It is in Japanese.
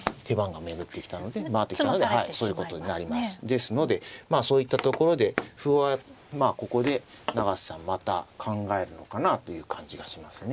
ですのでそういったところで歩はまあここで永瀬さんまた考えるのかなという感じがしますね。